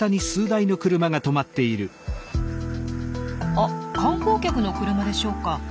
あ観光客の車でしょうか。